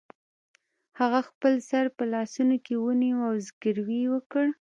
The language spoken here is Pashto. هغه خپل سر په لاسونو کې ونیو او زګیروی یې وکړ